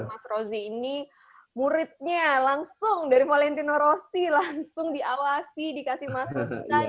mas rozi ini muridnya langsung dari valentino rosti langsung diawasi dikasih masukan